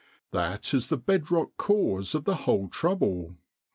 That is the bedrock cause of the whole trouble.